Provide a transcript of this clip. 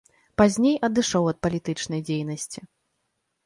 Пазней адышоў ад палітычнай дзейнасці.